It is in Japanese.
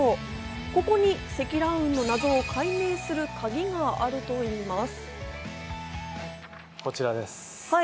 ここに積乱雲の謎を解明するカギがあるといいます。